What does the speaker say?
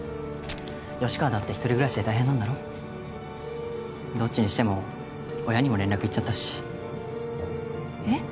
吉川だって１人暮らしで大変なんだろどっちにしても親にも連絡いっちゃったしえっ？